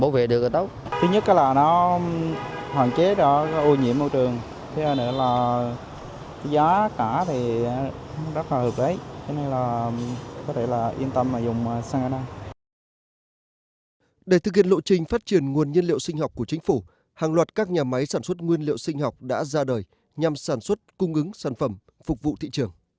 về thực hiện lộ trình phát triển nguồn nhiên liệu sinh học của chính phủ hàng loạt các nhà máy sản xuất nguyên liệu sinh học đã ra đời nhằm sản xuất cung ứng sản phẩm phục vụ thị trường